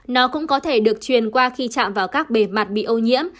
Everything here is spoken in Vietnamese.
nó cũng có thể được truyền qua khi chạm vào các bề mặt bị ô nhiễm